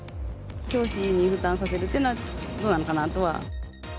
教師に負担させるっていうのは、どうなのかなとは。